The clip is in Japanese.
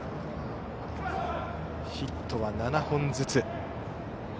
ヒットは７本ずつ。